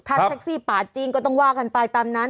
ถ้าแท็กซี่ปาดจริงก็ต้องว่ากันไปตามนั้น